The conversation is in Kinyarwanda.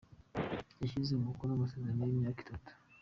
Yashyize umukono ku masezerano y'imyaka itatu.